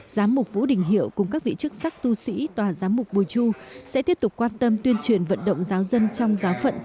giám mục vũ đình hiệu cùng các vị chức sắc tu sĩ tòa giám mục bùi chu sẽ tiếp tục quan tâm tuyên truyền vận động giáo dân trong giáo phận